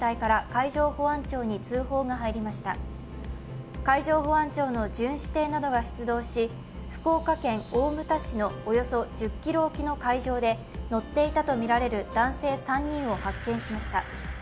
海上保安庁の巡視艇などが出動し福岡県大牟田市のおよそ１０ｋｍ沖の海上で、乗っていたとみられる男性３人を発見しました。